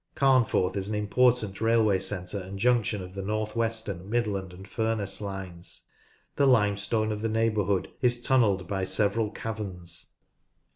Carnforth is an important railway centre and junction of the NorthWestern, Midland, and Furness lines. The limestone of the neighbourhood is tunnelled by several caverns.